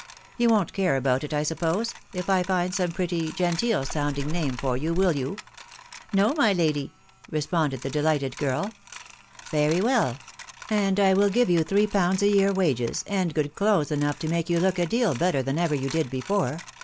You wo'n't care about it, I suppose, if I find out some pretty, genteel sounding name for you, will you ?" No, my lady !" responded the delighted girl. Very well ;.... and I will give you three pounds a year wages, and good clothes enough to make you look a deal better than ever you did before.